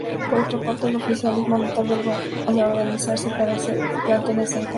Por otra parte, el oficialismo no tardó en organizarse para hacer plantones en contra.